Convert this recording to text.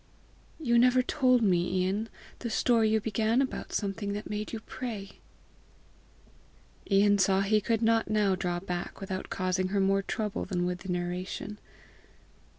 "You never told me, Ian, the story you began about something that made you pray!" Ian saw he could not now draw back without causing, her more trouble than would the narration.